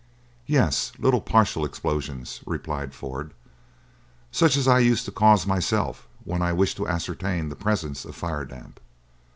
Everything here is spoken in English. "Yes, little partial explosions," replied Ford, "such as I used to cause myself when I wished to ascertain the presence of fire damp.